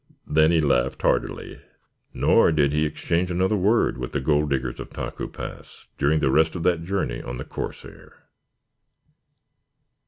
Then he laughed heartily. Nor did he exchange another word with the Gold Diggers of Taku Pass during the rest of that journey on the "Corsair."